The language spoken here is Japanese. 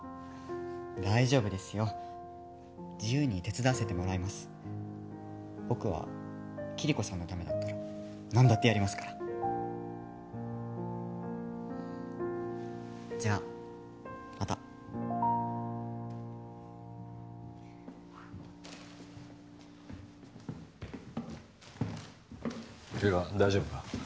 大丈夫ですよ自由に手伝わせてもらいます僕はキリコさんのためだったら何だってやりますからじゃまたケガ大丈夫か？